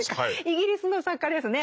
イギリスの作家ですね